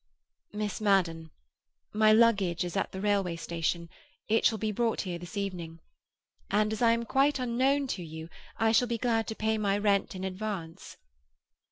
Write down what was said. "Miss Madden. My luggage is at the railway station; it shall be brought here this evening. And, as I am quite unknown to you, I shall be glad to pay my rent in advance."